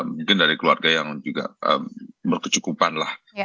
mungkin dari keluarga yang juga berkecukupan lah